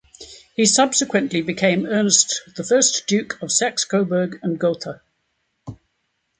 He subsequently became "Ernest the First, Duke of Saxe-Coburg and Gotha".